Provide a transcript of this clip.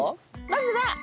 まずは？